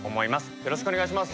よろしくお願いします。